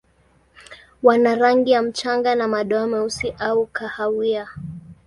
Wana rangi ya mchanga na madoa meusi au kahawia.